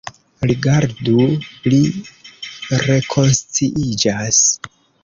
Rigardu: li rekonsciiĝas.